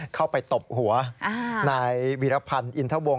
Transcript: เข้าไปตบหัวในวิรพันธ์อินทะวง